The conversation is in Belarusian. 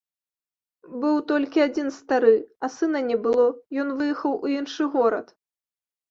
Быў толькі адзін стары, а сына не было, ён выехаў у іншы горад.